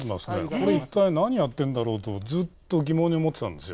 これ、一体何やってるんだろうとずっと疑問に思ってたんです。